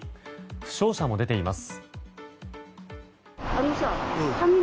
負傷者も出ています。